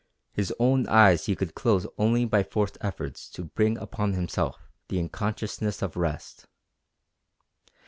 His own eyes he could close only by forced efforts to bring upon himself the unconsciousness of rest.